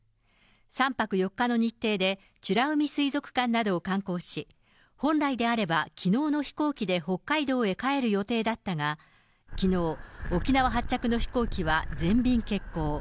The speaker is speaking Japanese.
３泊４日の日程で美ら海水族館などを観光し、本来であればきのうの飛行機で北海道へ帰る予定だったが、きのう、沖縄発着の飛行機は全便欠航。